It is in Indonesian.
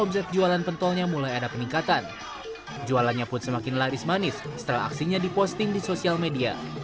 jualannya pun semakin laris manis setelah aksinya diposting di sosial media